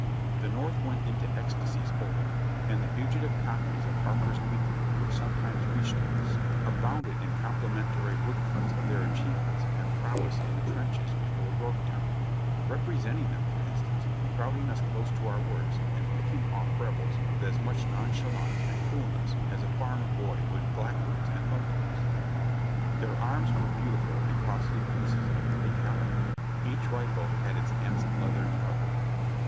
The North went into ecstasies over them, and the fugitive copies of Harper's Weekly which sometimes reached us abounded in complimentary wood cuts of their achievements and prowess in the trenches before Yorktown — representing them, for instance, crowding us close to our works, and picking off Rebels with as much nonchalance and coolness as a farmer bo}'' would blackbirds and mud larks. Their arms were beau tiful and costly pieces of heavy calibre; each rifle had its hand some leathern cover.